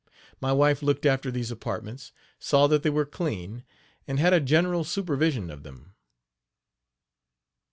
My wife looked after these apartments, saw that they were clean, and had a general supervision of them.